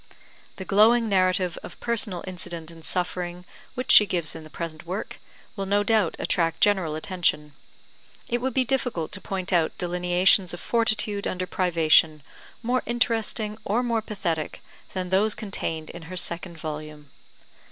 The glowing narrative of personal incident and suffering which she gives in the present work, will no doubt attract general attention. It would be difficult to point out delineations of fortitude under privation, more interesting or more pathetic than those contained in her second volume.